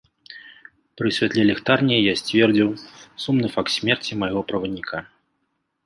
Пры святле ліхтарні я сцвердзіў сумны факт смерці майго правадніка.